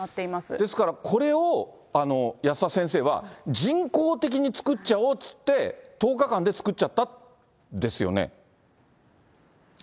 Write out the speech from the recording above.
ですからこれを保田先生は、人工的に作っちゃおうっていって、１０日間で作っちゃったんですよね？